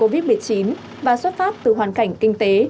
dịch bệnh covid một mươi chín và xuất phát từ hoàn cảnh kinh tế